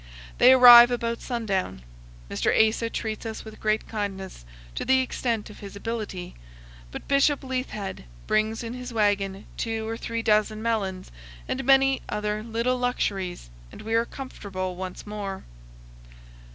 They arrive about sundown. Mr. Asa treats us with great kindness to the extent of his ability; but Bishop Leithhead brings in his wagon two or three dozen melons and many other little luxuries, and we are comfortable once more.